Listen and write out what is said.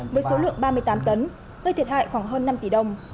với số lượng ba mươi tám tấn gây thiệt hại khoảng hơn năm tỷ đồng